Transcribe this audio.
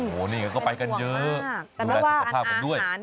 โอ้โหนี่ก็ไปกันเยอะดูแลสุขภาพกันด้วย